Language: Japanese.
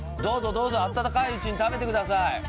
どうぞどうぞ温かいうちに食べてください